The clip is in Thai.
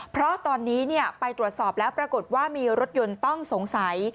เพราะตอนนี้ไปตรวจสอบแล้วปรากฏว่ามีรถยนต์ต้องสงสัย